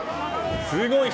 すごい人。